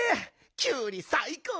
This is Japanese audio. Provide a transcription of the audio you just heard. キュウリさいこう！